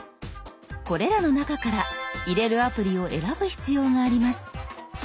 これらの中から入れるアプリを選ぶ必要があります。